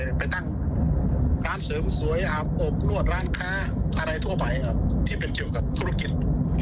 ไปตั้งร้านเสริมสวยอาบอบนวดร้านค้าอะไรทั่วไปที่เป็นเกี่ยวกับธุรกิจ